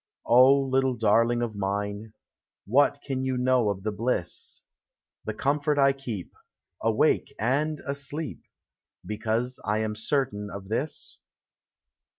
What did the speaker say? O, little darling of mine. What ean you know of the bliss, The comfort I keep, Awake and asleep, Because I am certain of this?